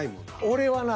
俺はな